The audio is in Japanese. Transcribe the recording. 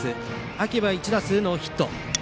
秋は１打数ノーヒット。